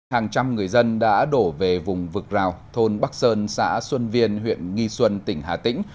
hàng trăm người dân đã đổ về vùng vực rào thôn bắc sơn xã xuân viên huyện nghi xuân tỉnh hà tĩnh